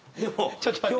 ちょっと待って。